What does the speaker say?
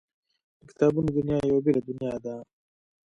د کتابونو دنیا یوه بېله دنیا ده